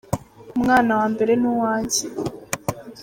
Umwana wambere nuwange.